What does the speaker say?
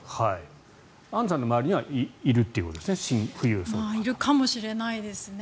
アンジュさんの周りにはいるということですねいるかもしれないですね。